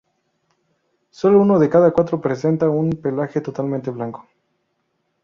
Solo uno de cada cuatro presenta un pelaje totalmente blanco.